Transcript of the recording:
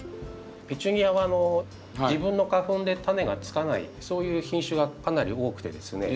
ペチュニアは自分の花粉で種がつかないそういう品種がかなり多くてですね